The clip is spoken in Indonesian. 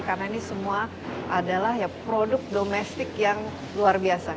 karena ini semua adalah produk domestik yang luar biasa